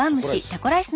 タコライス。